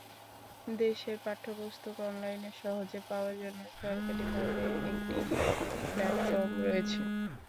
দেশের পাঠ্যপুস্তক অনলাইনে সহজে পাওয়ার জন্য সরকারিভাবে একটি ই-বুক প্ল্যাটফর্ম রয়েছে।